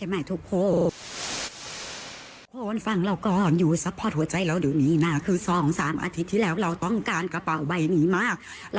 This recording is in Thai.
มันเป็นยังไงเนี่ย